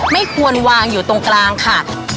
ที่มีวางอยู่ตรงกลางค่ะ